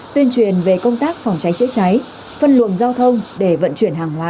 tuyên truyền về công tác phòng cháy chữa cháy phân luồng giao thông để vận chuyển hàng hóa